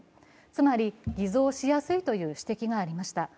つまり偽造しやすいという指摘がありました。